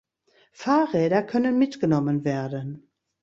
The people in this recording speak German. Fahrräder können mitgenommen werden.